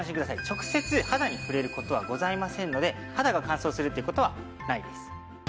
直接肌に触れる事はございませんので肌が乾燥するっていう事はないです。